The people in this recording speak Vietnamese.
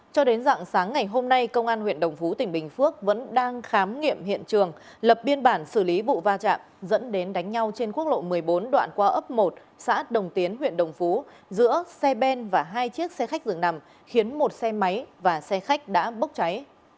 cho đến dạng sáng ngày hôm nay công an huyện đồng phú tỉnh bình phước vẫn đang khám nghiệm hiện trường lập biên bản xử lý vụ va chạm dẫn đến đánh nhau trên quốc lộ một mươi bốn đoạn qua ấp một xã đồng tiến huyện đồng phú giữa xe ben và hai chiếc xe khách dường nằm khiến một xe máy và xe khách đã bốc cháy